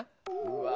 うわ